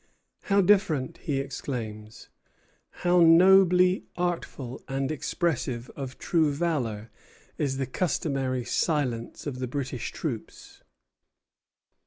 "How different!" he exclaims, "how nobly awful and expressive of true valor is the customary silence of the British troops!"